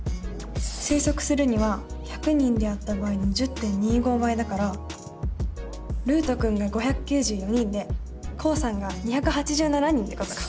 推測するには１００人であった場合の１０．２５倍だからるうとくんが５９４人でこうさんが２８７人ってことか。